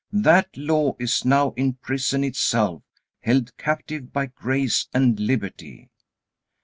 That Law is now in prison itself, held captive by grace and liberty."